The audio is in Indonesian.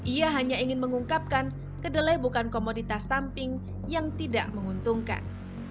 ia hanya ingin mengungkapkan kedelai bukan komoditas samping yang tidak menguntungkan